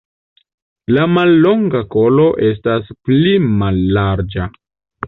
La mallonga kolo estas pli mallarĝa.